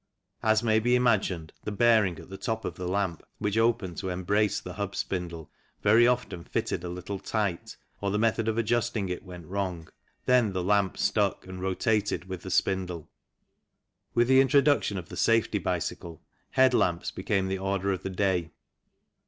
As may be imagined, the bearing at the top of the lamp, which opened to embrace the hub spindle, very often fitted a little tight, or the method of adjusting it went wrong ; then the lamp stuck and rotated with the spindle. With the introduction of the safety bicycle, head lamps became the order of the day.